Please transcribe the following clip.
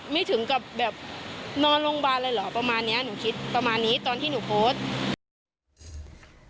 ถึงกับแบบนอนโรงพยาบาลเลยเหรอประมาณเนี้ยหนูคิดประมาณนี้ตอนที่หนูโพสต์